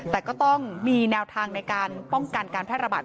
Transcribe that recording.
แต่ก็ต้องมีแนวทางในการป้องกันการแพร่ระบาด